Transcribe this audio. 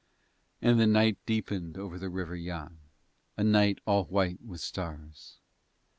And the night deepened over the River Yann, a night all white with stars.